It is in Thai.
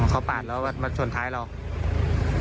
เขาปาดแล้วมาชนท้ายเรา